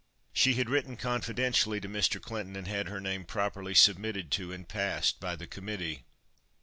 She had written confidentially to Mr. Clinton and had her name properly submitted to and passed by the committee.